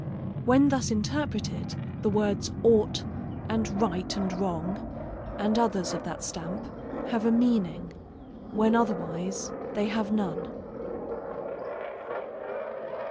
When thus interpreted, the words ought, and right and wrong, and others of that stamp, have a meaning; when otherwise, they have none.